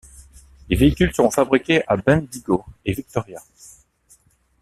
Les véhicules seront fabriqués à Bendigo et Victoria.